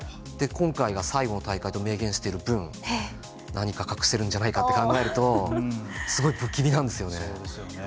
今回が最後の大会と明言している分何か隠してるんじゃないかって考えるとすごい不気味なんですよね。